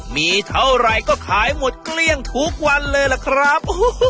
มีเท่าไหร่ก็ขายหมดเกลี้ยงทุกวันเลยล่ะครับ